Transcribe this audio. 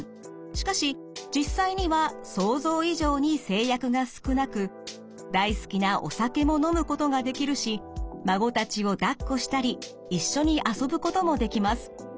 しかし実際には想像以上に制約が少なく大好きなお酒も飲むことができるし孫たちをだっこしたり一緒に遊ぶこともできます。